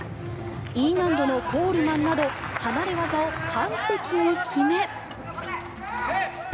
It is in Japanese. Ｅ難度のコールマンなど離れ技を完璧に決め。